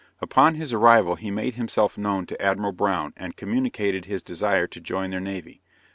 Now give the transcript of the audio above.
Upon his arrival he made himself known to Admiral Brown, and communicated his desire to join their navy.